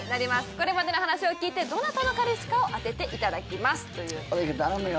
これまでの話を聞いてどなたの彼氏かを当てていただきますという小関君頼むよ